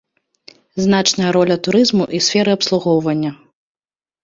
Значная роля турызму і сферы абслугоўвання.